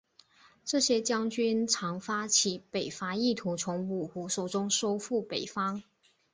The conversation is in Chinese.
这些将军常发起北伐意图从五胡手中收复北方。